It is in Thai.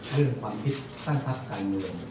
เรื่องความคิดตั้งพักการเมือง